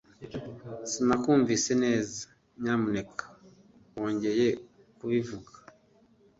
Sinakumvise neza. Nyamuneka wongeye kubivuga?